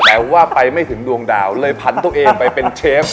แต่ว่าไปไม่ถึงดวงดาวเลยผันตัวเองไปเป็นเชฟ